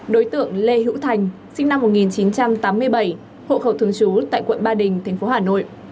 đối tượng lê hữu thành sinh năm một nghìn chín trăm tám mươi bảy hộ khẩu thường trú tại quận ba đình tp hà nội